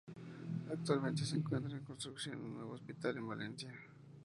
Actualmente se encuentra en construcción un nuevo hospital en Valencia.